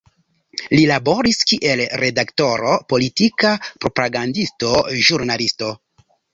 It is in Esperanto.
Li laboris kiel redaktoro, politika propagandisto, ĵurnalisto.